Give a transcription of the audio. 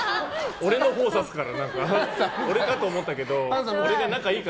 俺のほうを指すから俺かと思たけど。